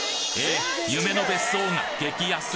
夢の別荘が激安！？